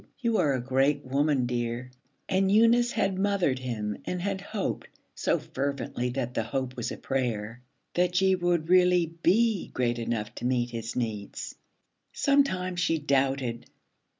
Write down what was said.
You are a great woman, dear.' And Eunice had mothered him and had hoped so fervently that the hope was a prayer that she would really be great enough to meet his needs. Sometimes she doubted.